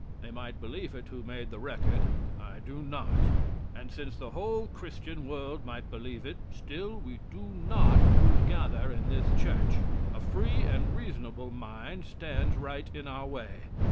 They might believe it who made the record. I do not. And since the whole Christian world might believe it, still we do not who gather in this church. A free and reasonable mind stands right in our way.